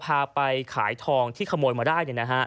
พาไปขายทองที่ขโมยมาได้